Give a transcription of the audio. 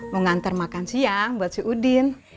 mau ngantar makan siang buat si udin